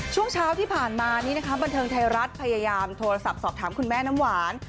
ช่วงเช้าที่ผ่านมานี้นะคะบันเทิงไทยรัฐพยายามโทรศัพท์สอบถามคุณแม่น้ำหวาน